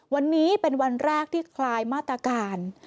วันนี้เป็นวันแรกที่คลายมาตรการ